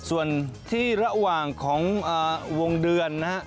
ส่วนที่ระหว่างของวงเดือนนะฮะ